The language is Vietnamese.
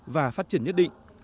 và phát triển nhất định